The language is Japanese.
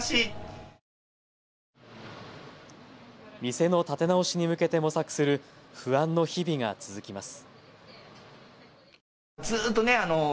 店の立て直しに向けて模索する不安の日々が続きます。